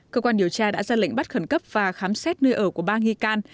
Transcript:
cơ quan điều tra đã ra lệnh bắt khẩn cấp và khám xét nơi ở của ba nghi can